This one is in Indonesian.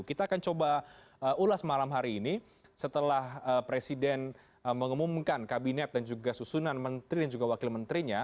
kita akan coba ulas malam hari ini setelah presiden mengumumkan kabinet dan juga susunan menteri dan juga wakil menterinya